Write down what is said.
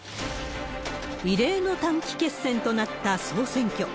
異例の短期決戦となった総選挙。